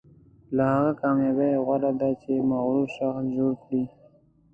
له هغه کامیابۍ غوره ده چې مغرور شخص جوړ کړي.